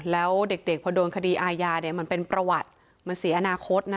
แล้วเด็กพอโดนคดีอาญาเนี่ยมันเป็นประวัติมันเสียอนาคตนะ